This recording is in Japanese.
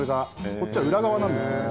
こっちは裏側なんですけど。